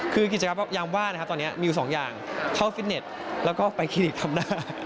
คือกิจกรรมยามว่านะครับตอนนี้มีอยู่สองอย่างเข้าฟิตเน็ตแล้วก็ไปคลินิกทำหน้า